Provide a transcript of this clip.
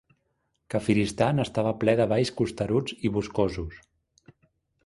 Kafiristan estava ple de valls costeruts i boscosos.